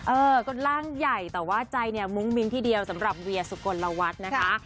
เออก็ร่างใหญ่แต่ว่าใจเนี่ยมุ้งมิ้งทีเดียวสำหรับเวียสุกลวัฒน์นะคะ